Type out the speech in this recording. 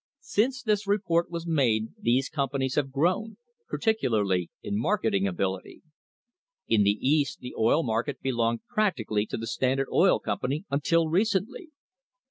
Since this report was made these companies have grown, particularly in marketing ability. In the East the oil market belonged practically to the Standard Oil Company until recently.